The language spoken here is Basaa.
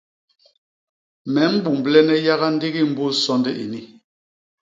Me mbumblene yaga ndigi mbus sonde ini.